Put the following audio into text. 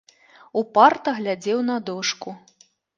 Упарта глядзеў на дошку.